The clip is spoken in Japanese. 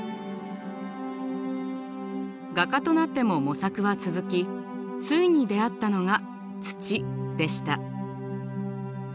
画家となっても模索は続きついに出会ったのが土でした。